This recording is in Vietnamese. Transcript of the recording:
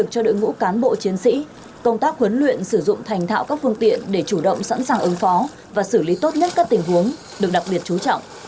công tác huấn luyện sử dụng thành thạo các phương tiện để chủ động sẵn sàng ứng phó và xử lý tốt nhất các tình huống được đặc biệt chú trọng